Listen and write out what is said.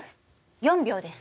４秒です。